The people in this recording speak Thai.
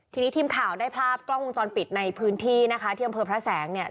ทีนี้ทีมข่าวได้ภาพกล้องวงจรปิดในพื้นที่นะคะที่อำเภอพระแสงเนี่ย